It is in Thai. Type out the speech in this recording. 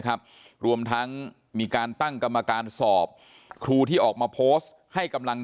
รวมทั้งมีการตั้งกรรมการสอบครูที่ออกมาโพสต์ให้กำลัง